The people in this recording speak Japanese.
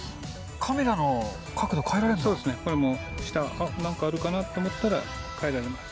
カメラの角度、変えられるんそうですね、これも下、何かあるかなと思ったら変えられます。